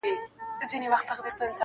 او له خپل کاره اغېزمن ښکاري-